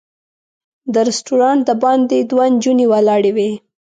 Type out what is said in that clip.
د رسټورانټ د باندې دوه نجونې ولاړې وې.